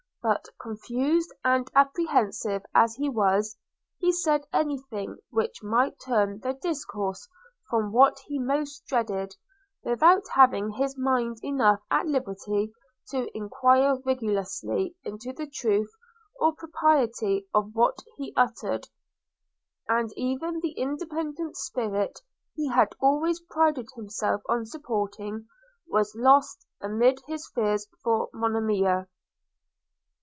But, confused and apprehensive as he was, he said any thing which might turn the discourse from what he most dreaded, without having his mind enough at liberty to enquire rigorously into the truth or propriety of what he uttered; and even the independent spirit he had always prided himself on supporting, was lost amid his fears for Monimia.